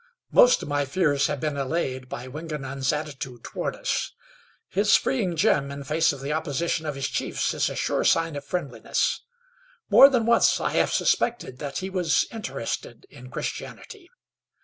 Most of my fears have been allayed by Wingenund's attitude toward us. His freeing Jim in face of the opposition of his chiefs is a sure sign of friendliness. More than once I have suspected that he was interested in Christianity.